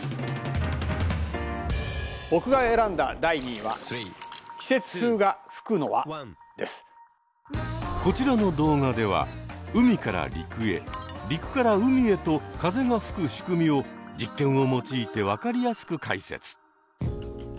僕が選んだ第２位はこちらの動画では海から陸へ陸から海へと風がふく仕組みを実験を用いて分かりやすく解説。